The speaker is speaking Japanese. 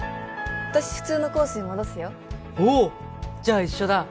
私普通のコースに戻すよおおっじゃあ一緒だ